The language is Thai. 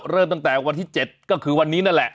เริ่มตั้งแต่วันที่๗ก็คือวันนี้นั่นแหละ